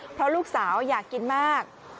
เพราะลูกสาวอยากกินมาก